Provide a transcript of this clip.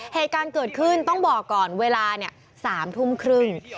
เหตุการณ์เกิดขึ้นต้องบอกก่อนเวลา๓ทุ่มครึ่ง